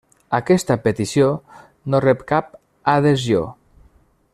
Aquesta petició no rep cap adhesió.